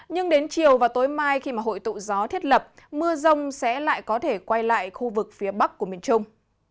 nhưng đến chiều và tối mai khi hội tụ gió thiết lập mưa rông sẽ lại có thể quay lại khu vực phía bắc của miền trung